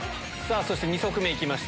そして２足目脱ぎました。